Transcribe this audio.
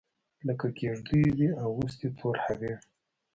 لکه کیږدېو وي اغوستي تور حریر